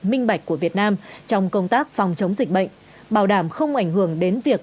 minh bạch của việt nam trong công tác phòng chống dịch bệnh bảo đảm không ảnh hưởng đến việc